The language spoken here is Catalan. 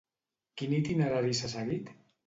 Quin itinerari s'ha seguit?